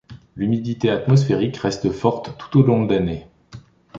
L'humidité atmosphérique reste forte tout au long de l’année.